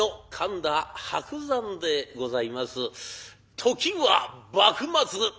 時は幕末！